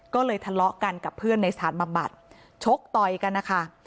ก็เลยทะเลาะกันกับเพื่อนในสถานบำบัดชกต่อยกันนะคะ